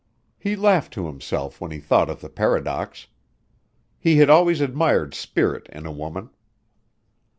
He laughed to himself when he thought of the paradox. He had always admired spirit in a woman.